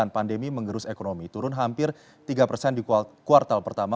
pandemi mengerus ekonomi turun hampir tiga persen di kuartal pertama